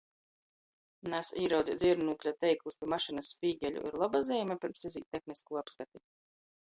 Naz, īraudzeit ziernūkļa teiklus pi mašynys spīgeļu ir loba zeime, pyrms izīt tehniskū apskati?